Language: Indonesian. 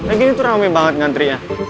eh gini tuh rame banget ngantrinya